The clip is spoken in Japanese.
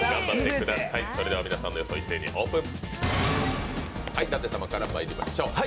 それでは、皆さんの予想を一斉にオープン。